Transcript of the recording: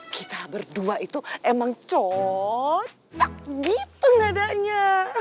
kita berdua itu emang cocok gitu dadanya